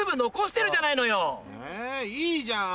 えいいじゃん。